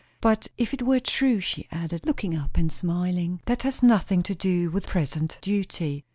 But if it were true," she added, looking up and smiling, "that has nothing to do with present duty."